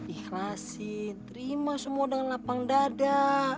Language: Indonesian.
ih lastri terima semua dengan lapang dada